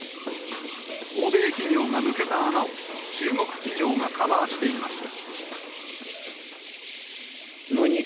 欧米企業が抜けた穴を、中国企業がカバーしていました。